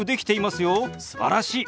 すばらしい！